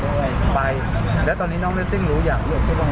ไปแล้วตอนนี้น้องเลสซิ่งรู้อย่าง